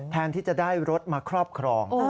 แทนที่จะได้รถมาครอบครอง